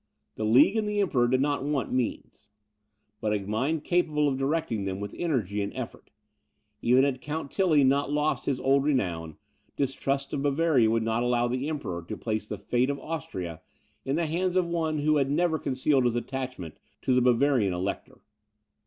The League and the Emperor did not want means, but a mind capable of directing them with energy and effect. Even had Count Tilly not lost his old renown, distrust of Bavaria would not allow the Emperor to place the fate of Austria in the hands of one who had never concealed his attachment to the Bavarian Elector.